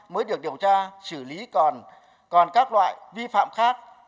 mới được điều tra xử lý còn các loại vi phạm khác